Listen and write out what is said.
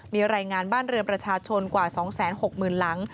มีรายงานบ้านเรือนประชาชนกว่า๒๖๐๐๐หลัง